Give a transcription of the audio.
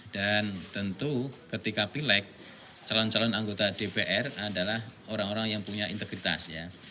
dan tentu ketika pilek calon calon anggota dpr adalah orang orang yang punya integritas